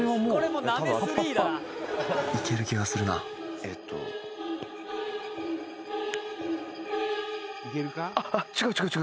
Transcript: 「いける気がするな」「えっと」いけるか？